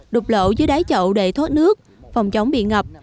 đục lỗ dưới đáy chậu để thốt nước phòng trống bị ngập